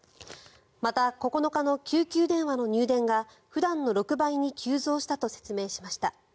また、９日の救急電話の入電が普段の６倍に急増したと説明しました。